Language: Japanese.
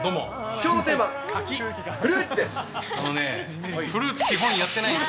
きょうのテーマ、フルーツです。